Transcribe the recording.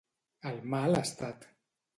En mal estat.